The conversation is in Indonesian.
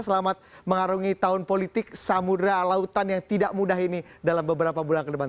selamat mengarungi tahun politik samudera lautan yang tidak mudah ini dalam beberapa bulan ke depan